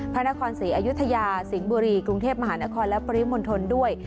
พระนครศรีอยุธยาสิงห์บุรีกรุงเทพมหานครและปริมณฑลด้วย